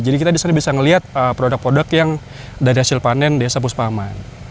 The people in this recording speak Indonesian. jadi kita disana bisa ngelihat produk produk yang dari hasil panen desa puspa aman